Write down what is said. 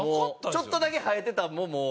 ちょっとだけ生えてたんももう。